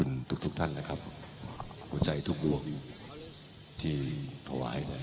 พลพระคุณพระรักษาอวงประชาเป็นศุกร์สารขอบันดาลข้ารสงฆ์ใด